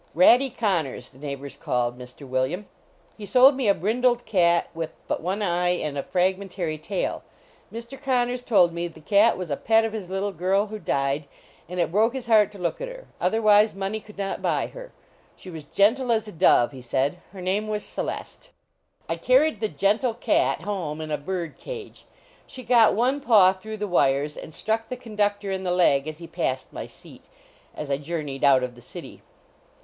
" Ratty Connors," the neigh bors called Mr. William. He sold me a brindled cat with but one eye and a fragment ary tail. Mr. Connors told me the cat was a pet of his little girl who died, and it broke his heart to look at her, otherwise money could not buy her. She was gentle as a dove, he said. Her name was Celeste. 244 HOUSEHOLD PETS I carried the "gentle cat" home in a bird cage. She got one paw through the wires and struck the conductor in the leg as he passed my seat, as I journeyed out of the city.